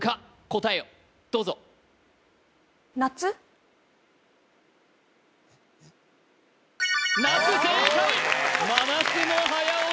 答えをどうぞナツ正解！